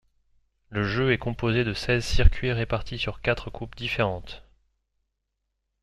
Le jeu est composé de seize circuits répartis sur quatre coupes différentes.